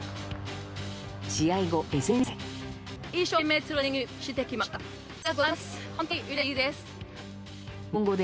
試合後、ＳＮＳで。